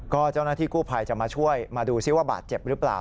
ก็เจ้าหน้าที่กู้ภัยจะมาช่วยมาดูซิว่าบาดเจ็บหรือเปล่า